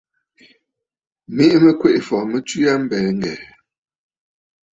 Miʼi mɨ Kweʼefɔ̀ tswe aa a mbɛ̀ɛ̀ ŋ̀gɛ̀ɛ̀.